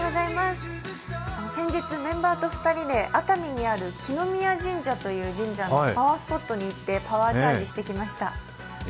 先日、メンバーと２人で熱海にある神社のパワースポットに行ってパワーチャージしてきました。